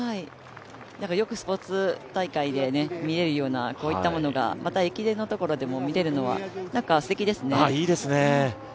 よくスポーツ大会で見れるような、こういったものがまた駅伝のところでも見られるのはすてきですね。